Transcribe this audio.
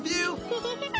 ウフフフ！